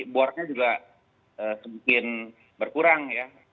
borknya juga mungkin berkurang ya